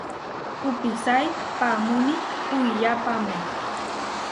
Kupisái paamúni puiyápame.